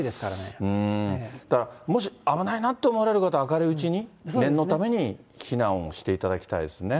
だから、もし、危ないなって思われる方は、明るいうちに、念のために避難をしていただきたいですね。